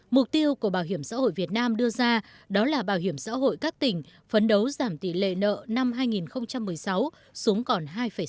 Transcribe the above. mục tiêu của bảo hiểm xã hội việt nam đưa ra đó là bảo hiểm xã hội các tỉnh phấn đấu giảm tỷ lệ nợ năm hai nghìn một mươi sáu xuống còn hai sáu